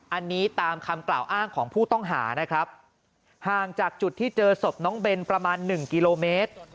อันนี้ตามคำกล่าวอ้างของผู้ต้องหานะครับห่างจากจุดที่เจอศพน้องเบนประมาณหนึ่งกิโลเมตร